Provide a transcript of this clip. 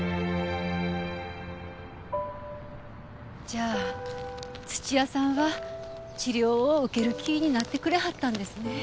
じゃあ土屋さんは治療を受ける気になってくれはったんですね。